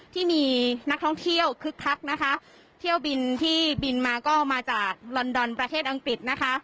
ที่มีนักท่องเที่ยวคึกคักนะคะเที่ยวบินที่บินมาก็มาจากลอนดอนประเทศอังกฤษนะคะ